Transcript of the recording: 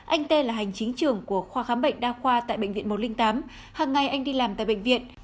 anh tê là hành chính trưởng của khoa khám bệnh đa khoa tại bệnh viện một trăm linh tám hàng ngày anh đi làm tại bệnh viện